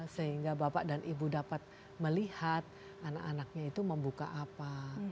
sehingga bapak dan ibu dapat melihat anak anaknya itu membuka apa